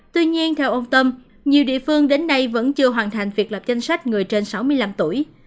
tuy nhiên theo ông tâm nhiều địa phương đến nay vẫn chưa hoàn thành việc lập danh sách người trên sáu mươi năm tuổi